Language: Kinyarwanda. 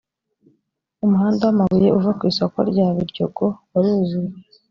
umuhanda wamabuye uva ku isoko rya biryogo waruzuye.